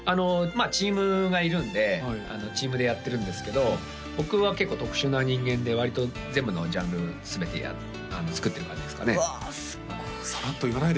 まあチームがいるんでチームでやってるんですけど僕は結構特殊な人間で割と全部のジャンル全て作ってる感じですかねうわ